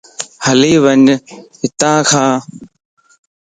ھلي وڄ ھاکان